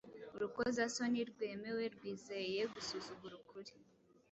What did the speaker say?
Urukozasoni rwemewe, rwizeye 'gusuzugura' ukuri,